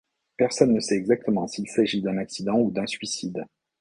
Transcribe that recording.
Personne ne sait exactement s'il s'agit d'un accident ou d'un suicide.